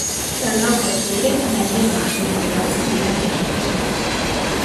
El nou d'octubre na Gemma i en Guerau aniran d'excursió.